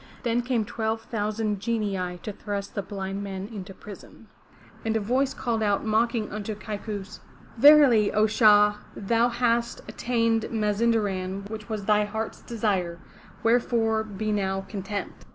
Then came twelve thousand Genii to thrust the blind men into prison. And a voice called out mocking unto Kaikous: "Verily, O, Shah, thou hast attained Mazinderan which was thy heart's desire, wherefore be now content!"